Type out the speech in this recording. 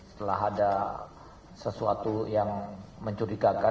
setelah ada sesuatu yang mencurigakan